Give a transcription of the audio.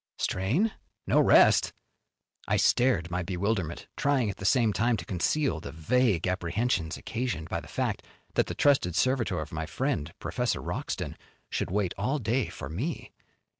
"Strain? No rest?" I stared my bewilderment, trying at the same time to conceal the vague apprehensions occasioned by the fact that the trusted servitor of my friend, Professor Wroxton, should wait all day for me.